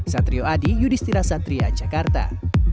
satrio adi yudhistira satria jakarta